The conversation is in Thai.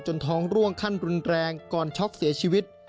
ท้องร่วงขั้นรุนแรงก่อนช็อกเสียชีวิต